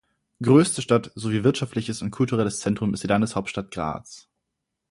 Größte Stadt sowie wirtschaftliches und kulturelles Zentrum ist die Landeshauptstadt Graz.